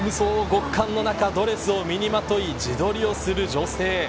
極寒の中、ドレスを身にまとい自撮りをする女性。